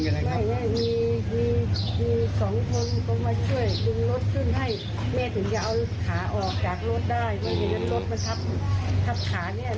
แม่ถึงจะเอาขาออกจากรถได้เพราะฉะนั้นรถมันทับทับขาเนี่ย